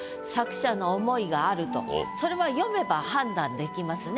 それは読めば判断できますね。